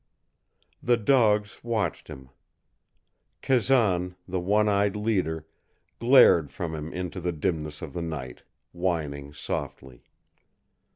The dogs watched him. Kazan, the one eyed leader, glared from him into the dimness of the night, whining softly.